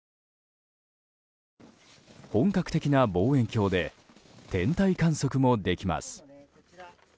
本格的な望遠鏡で天体観測もできます。